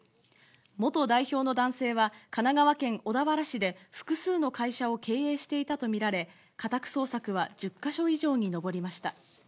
元代表の男性は、神奈川県小田原市で複数の会社を経営していたと見られ、家宅捜索は１０か所以上に上りました。